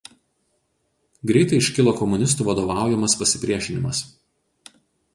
Greitai iškilo komunistų vadovaujamas pasipriešinimas.